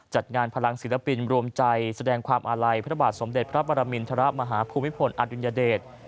จัดงานพลังศิลปินรวมใจแสดงความอาลัยพระบาทสมเด็จพระปรมินทรมาฮภูมิพลอดุลยเดช